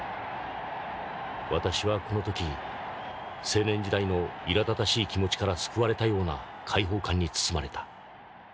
「私はこの時青年時代のいらだたしい気持ちから救われたような解放感に包まれた。